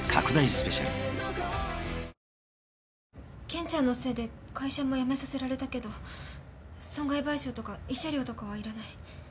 健ちゃんのせいで会社も辞めさせられたけど損害賠償とか慰謝料とかはいらない。